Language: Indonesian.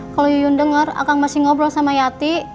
kalau yuyun denger akang masih ngobrol sama yati